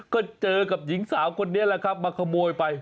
ก็เจอกับหญิงสาวคนนี้แหละครับมาขโมยไป